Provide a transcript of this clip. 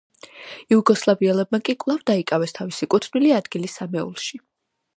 იუგოსლავიელებმა კი კვლავ დაიკავეს თავისი კუთვნილი ადგილი სამეულში.